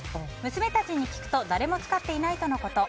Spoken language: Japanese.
娘たちに聞くと誰も使っていないとのこと。